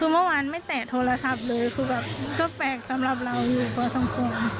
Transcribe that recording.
คือเมื่อวานไม่แตะโทรศัพท์เลยคือแบบก็แปลกสำหรับเราอยู่พอสมควร